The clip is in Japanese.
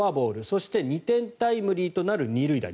そして、２点タイムリーとなる２塁打。